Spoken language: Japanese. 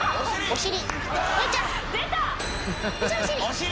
お尻。